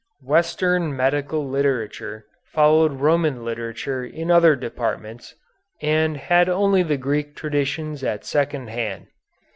Western medical literature followed Roman literature in other departments, and had only the Greek traditions at second hand.